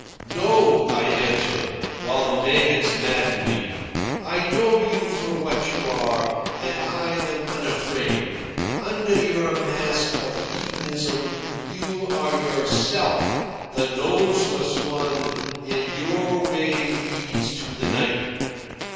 "No," I answer, while the maggots madden me. "I know you for what you are, and I am unafraid. Under your mask of hedonism you are yourself the Noseless One and your way leads to the Night.